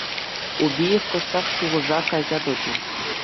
Убиев кӑштах шухӑша кайса тӑчӗ.